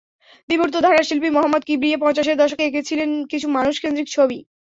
বিমূর্ত ধারার শিল্পী মোহাম্মদ কিবরিয়া পঞ্চাশের দশকে এঁকেছিলেন কিছু মানুষকেন্দ্রিক ছবি।